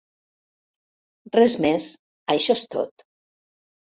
Res més, això és tot!